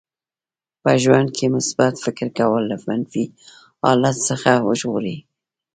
په ژوند کې مثبت فکر کول له منفي حالت څخه وژغوري.